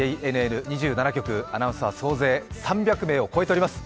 ＪＮＮ２７局アナウンサー総勢３００名を超えております。